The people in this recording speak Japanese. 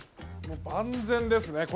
万全ですね。